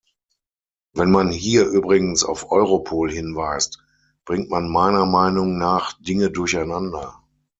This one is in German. Wenn man hier übrigens auf Europol hinweist, bringt man meiner Meinung nach Dinge durcheinander.